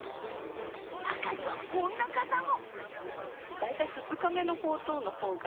中にはこんな方も。